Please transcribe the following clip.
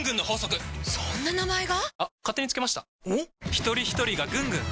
ひとりひとりがぐんぐん！